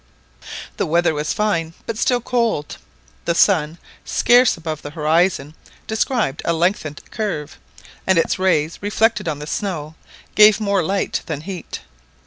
The weather was fine, but still very cold. The sun, scarce above the horizon, described a lengthened curve; and its rays, reflected on the snow, gave more light than heat.